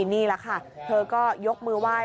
นี่แหละค่ะเธอก็ยกมือไหว้